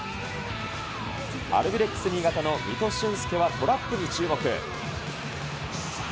アルビレックス新潟の三戸舜介はトラップに注目。